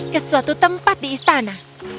ke suatu tempat di istana